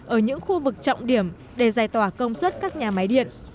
ở những khu vực trọng điểm để giải tỏa công suất các nhà máy điện